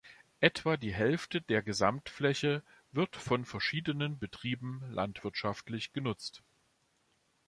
Etwa die Hälfte der Gesamtfläche wird von verschiedenen Betrieben landwirtschaftlich genutzt.